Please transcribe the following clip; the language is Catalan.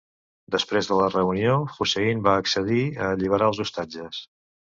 Després de la reunió, Hussein va accedir a alliberar els ostatges.